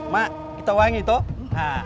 ma itu wangi tuh